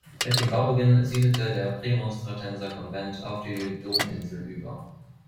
Mit dem Baubeginn siedelte der Prämonstratenser-Konvent auf die Dominsel über.